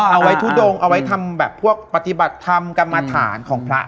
เอาไว้ทุดงเอาไว้ทำแบบพวกปฏิบัติธรรมกรรมฐานของพระ